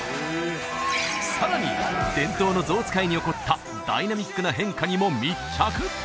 さらに伝統のゾウ使いに起こったダイナミックな変化にも密着！